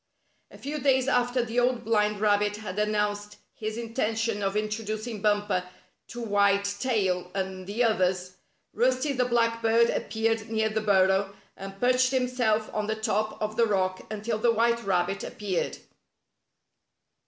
A few days after the Old Blind Rabbit had announced his intention of introducing Bumper to White Tail and the others. Rusty the Black Bird appeared near the burrow, and perched himself on the top of the rock until the white rabbit appeared.